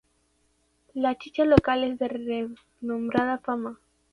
La chicha local es de renombrada fama.